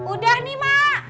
udah nih ma